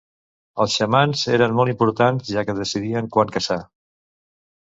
Els xamans eren molt importants, ja que decidien quan caçar.